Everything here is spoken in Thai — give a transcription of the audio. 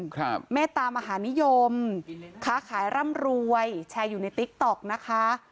เมตตามหานิยมค้าขายร่ำรวยแชร์อยู่ในติ๊กต๊อกนะคะ